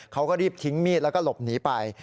เขาก็รีบทิ้งมีดแล้วก็หลบหนีไป